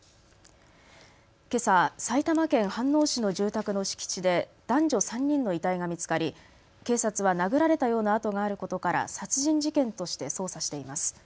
けさ埼玉県飯能市の住宅の敷地で男女３人の遺体が見つかり警察は殴られたような痕があることから殺人事件として捜査しています。